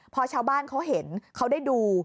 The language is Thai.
พอชาวบ้านเขาเห็นเขาได้ดู